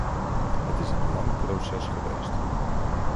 Het is een lang proces geweest.